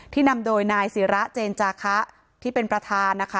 นำโดยนายศิระเจนจาคะที่เป็นประธานนะคะ